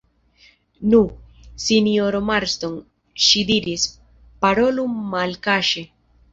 Nu, sinjoro Marston, ŝi diris, parolu malkaŝe.